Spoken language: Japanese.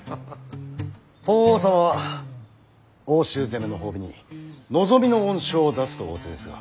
法皇様は奥州攻めの褒美に望みの恩賞を出すと仰せですが。